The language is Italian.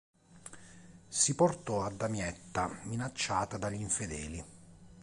Si portò a Damietta, minacciata dagli infedeli.